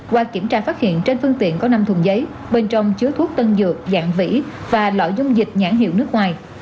qua kiểm tra phát hiện trên phương tiện có năm thùng giấy bên trong chứa thuốc tân dược dạng vĩ và loại dung dịch nhãn hiệu nước ngoài